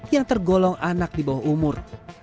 yang tergolong anak di bawah umur